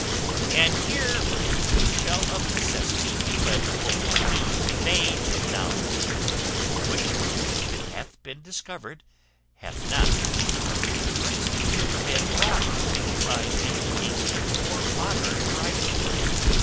And here we shall of necessity be led to open a new vein of knowledge, which if it hath been discovered, hath not, to our remembrance, been wrought on by any antient or modern writer.